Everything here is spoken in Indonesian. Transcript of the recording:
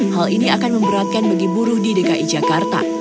hal ini akan memberatkan bagi buruh di dki jakarta